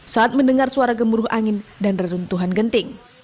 saat mendengar suara gemuruh angin dan reruntuhan genting